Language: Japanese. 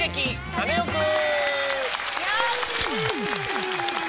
カネオくん」。